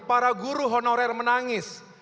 para guru honorer menangis